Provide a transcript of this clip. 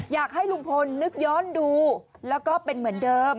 อยากให้ลุงพลนึกย้อนดูแล้วก็เป็นเหมือนเดิม